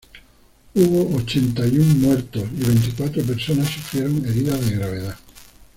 Hubo ochenta y un muertos y veinticuatro personas sufrieron heridas de gravedad.